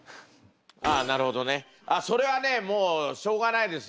あなるほどね。それはねもうしょうがないですね。